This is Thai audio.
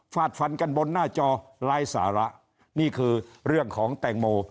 ฝันกันบนหน้าจอหลายสาระนี่คือเรื่องของแตงโม